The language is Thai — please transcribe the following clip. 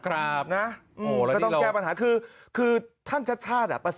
แล้วก็ต้องแก้ปัญหาคือท่านชัดอะ